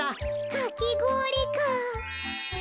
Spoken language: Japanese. かきごおりか。